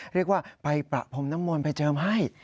เรียกว่าไปประพรมน้ำมนต์ไปเจิมให้